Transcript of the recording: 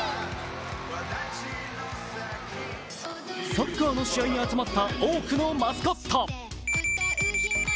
サッカーの試合に集まった多くのマスコット。